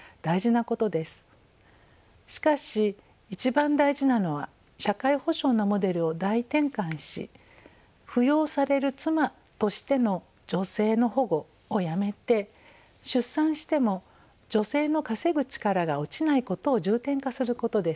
しかし一番大事なのは社会保障のモデルを大転換し扶養される妻としての女性の保護をやめて出産しても女性の稼ぐ力が落ちないことを重点化することです。